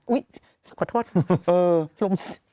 อุ๊ยขอโทษ